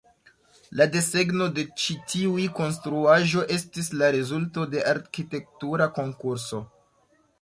La desegno de ĉi tiu konstruaĵo estis la rezulto de arkitektura konkurso.